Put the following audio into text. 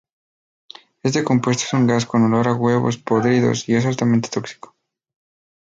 Este compuesto es un gas con olor a huevos podridos y es altamente tóxico.